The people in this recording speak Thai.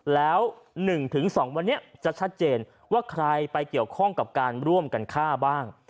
แล้ว๑๒วันนี้จะชัดเจนว่าใครไปเกี่ยวข้องกับการร่วมกันฆ่าบ้าง